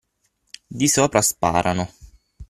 Di sopra sparano!